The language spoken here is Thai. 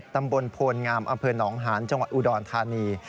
ตำบลโพลงามอำเภอหนองหานจังหวัดอุดรธานี